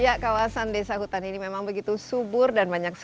ya kawasan desa hutan ini memang begitu subur dan banyak sekali